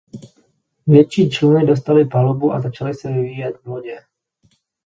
Větší čluny dostaly palubu a začaly se vyvíjet v lodě.